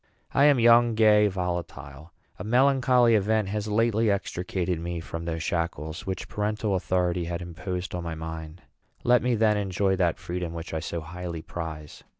I am young, gay, volatile. A melancholy event has lately extricated me from those shackles which parental authority had imposed on my mind. Let me, then, enjoy that freedom which I so highly prize.